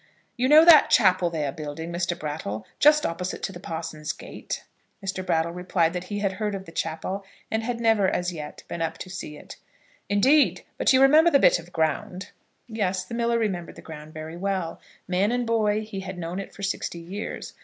"You know that chapel they are building, Mr. Brattle, just opposite to the parson's gate?" Mr. Brattle replied that he had heard of the chapel, but had never, as yet, been up to see it. "Indeed; but you remember the bit of ground?" Yes; the miller remembered the ground very well. Man and boy he had known it for sixty years.